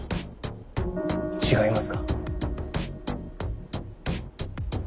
違いますか？